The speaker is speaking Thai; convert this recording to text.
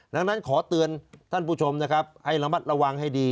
ดังนั้นขอเตือนท่านผู้ชมนะครับให้ระมัดระวังให้ดี